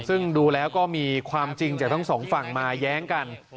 ซึ่งดูแล้วก็มีความจริงจากทั้งสองฝั่งมาแย้งกัน